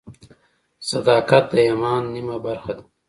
صداقت د ایمان نیمه برخه ده.